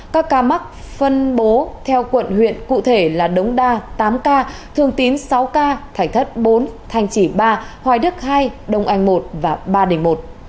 các ca mắc phân bố theo quận huyện cụ thể là đống đa tám ca thường tín sáu ca thải thất bốn thanh chỉ ba hoài đức hai đông anh một và ba đình một